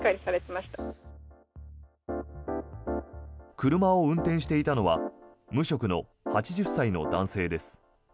車を運転していたのは無職の８０歳の男性です。